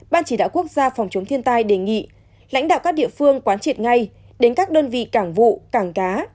ban chỉ đạo quốc gia phòng chống thiên tai đề nghị lãnh đạo các địa phương quán triệt ngay đến các đơn vị cảng vụ cảng cá